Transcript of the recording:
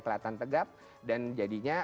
kelihatan tegap dan jadinya